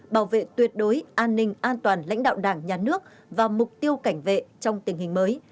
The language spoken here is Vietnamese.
bảo vệ tuyệt đối an ninh an toàn lãnh đạo đảng nhà nước và mục tiêu cảnh vệ trong tình hình mới